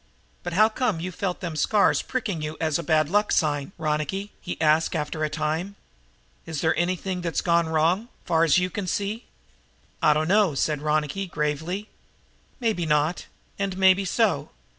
"But how come you felt them scars pricking as a bad luck sign, Ronicky?" he asked after a time. "Is there anything that's gone wrong, far as you see?" "I dunno," said Ronicky gravely. "Maybe not, and maybe so.